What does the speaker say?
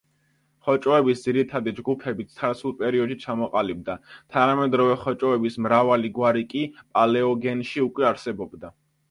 ხოჭოების ძირითადი ჯგუფები ცარცულ პერიოდში ჩამოყალიბდა, თანამედროვე ხოჭოების მრავალი გვარი კი პალეოგენში უკვე არსებობდა.